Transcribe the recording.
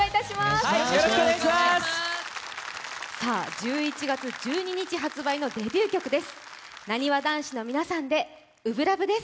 １１月１２日発売のデビュー曲です。